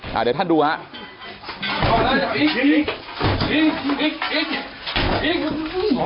เดี๋ยวท่านดูฮะ